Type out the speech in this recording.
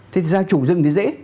thế thì giao chủ rừng thì dễ